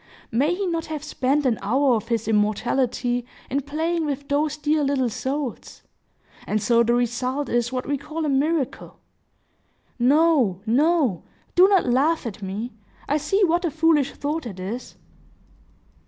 May he not have spent an hour of his immortality in playing with those dear little souls? and so the result is what we call a miracle. No, no! Do not laugh at me; I see what a foolish thought it is!"